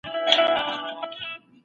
که دښمن بريد وکړي، نو پوځ بايد چمتو وي.